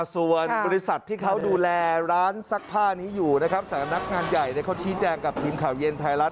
ส่วนบริษัทที่เขาดูแลร้านซักผ้านี้อยู่นะครับสำนักงานใหญ่เขาชี้แจงกับทีมข่าวเย็นไทยรัฐ